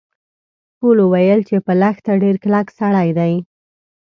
ټولو ویل چې په لښته ډیر کلک سړی دی.